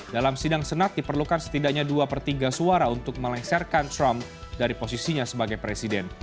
dalam sidang senat diperlukan setidaknya dua per tiga suara untuk melengsarkan trump dari posisinya sebagai presiden